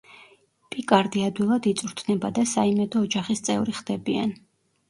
პიკარდი ადვილად იწვრთნება და საიმედო ოჯახის წევრი ხდებიან.